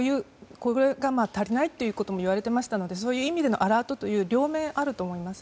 これが足りないとも言われていましたのでそういう意味でのアラートというのも両面あると思います。